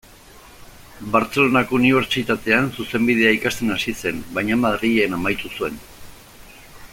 Bartzelonako Unibertsitatean zuzenbidea ikasten hasi zen, baina Madrilen amaitu zuen.